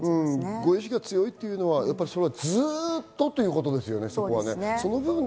ご意思が強いというのはずっとということですよね。